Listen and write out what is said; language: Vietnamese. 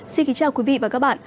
xin kính chào quý vị và các bạn